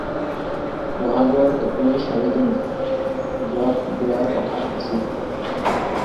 ব'হাগৰ একুৰি চাৰি দিন যোৱাত বিয়াৰ কথা আছিল।